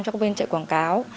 cho các bên chạy quảng cáo